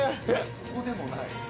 そこでもない。